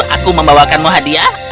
aku membawakanmu hadiah